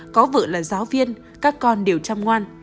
có vợ là giáo viên các con đều chăm ngoan